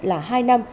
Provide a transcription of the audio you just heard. là hai năm